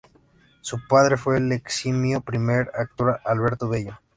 Su padre fue el eximio primer actor Alberto Bello.